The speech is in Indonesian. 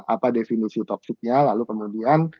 apa definisi toksiknya lalu kemudian